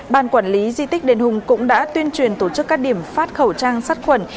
ban quản lý di tích đền hùng cũng đã tuyên truyền tổ chức các điểm phát khẩu trang sắt khuẩn